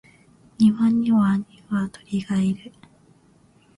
庭には二羽鶏がいる